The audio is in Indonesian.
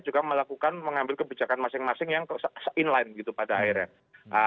maksudnya juga melakukan mengambil kebijakan masing masing yang in line gitu pada akhirnya